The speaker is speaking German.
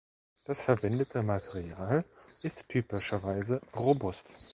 Das verwendete Material ist typischerweise robust.